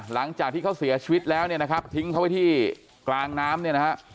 หลังจากที่เขาเสียชีวิตแล้วเนี่ยนะครับทิ้งเขาไว้ที่กลางน้ำเนี่ยนะฮะ